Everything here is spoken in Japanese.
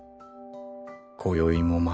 こよいもまた。